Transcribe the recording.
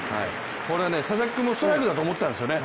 これは佐々木君もストライクだと思ったんでしょうね。